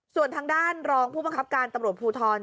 ส่วนทางด้านรองผู้บังคับการตำรวจภูทร